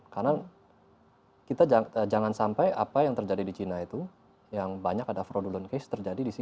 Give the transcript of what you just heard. karena kita jangan sampai apa yang terjadi di china itu yang banyak ada fraudulent case terjadi di china